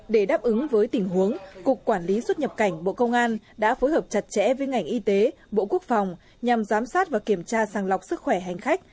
để đáp ứng với tình huống cục quản lý xuất nhập cảnh bộ công an đã phối hợp chặt chẽ với ngành y tế bộ quốc phòng nhằm giám sát và kiểm tra sàng lọc sức khỏe hành khách